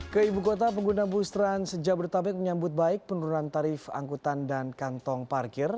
ke ibu kota pengguna bus trans jabodetabek menyambut baik penurunan tarif angkutan dan kantong parkir